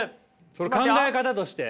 それ考え方として？